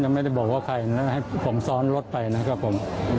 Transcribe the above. ไม่ได้บอกว่าใครให้ผมซ้อนรถไปนะครับผม